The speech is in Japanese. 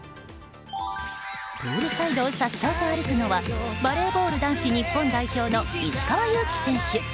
プールサイドを颯爽と歩くのはバレーボール男子日本代表の石川祐希選手。